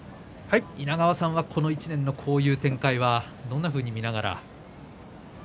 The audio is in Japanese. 稲川さんはこの１年のこういう展開はどんなふうに見ながら。